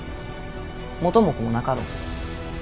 元も子もなかろう？